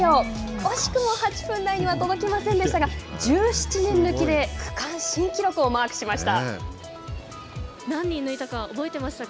惜しくも８分台には届きませんでしたが１７人抜きで区間新記録をマークしました。